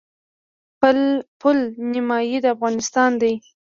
پل نیمايي د افغانستان دی.